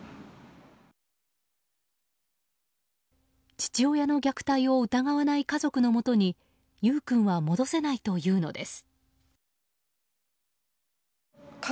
父親の虐待を疑わない家族のもとに優雨君は戻せないというのです。